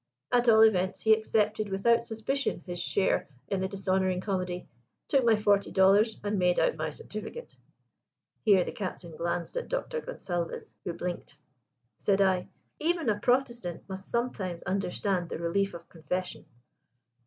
At all events, he accepted without suspicion his share in the dishonouring comedy, took my forty dollars, and made out my certificate." Here the Captain glanced at Doctor Gonsalvez, who blinked. Said I: "Even a Protestant must sometimes understand the relief of confession."